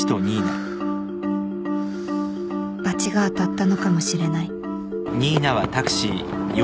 バチがあたったのかもしれない